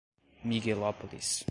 Miguelópolis